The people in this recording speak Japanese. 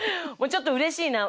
ちょっとうれしいな。